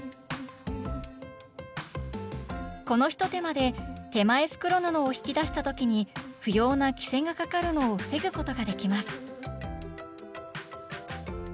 このひと手間で手前袋布を引き出した時に不要な「きせ」がかかるのを防ぐことができます